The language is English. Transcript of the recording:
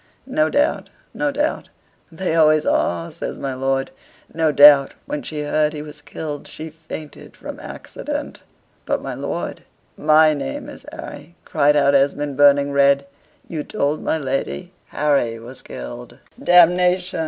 "No doubt, no doubt. They always are," says my lord. "No doubt, when she heard he was killed, she fainted from accident." "But, my lord, MY name is Harry," cried out Esmond, burning red. "You told my lady, 'Harry was killed!'" "Damnation!